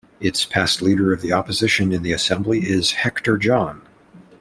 Its past Leader of the Opposition in the Assembly is Hector John.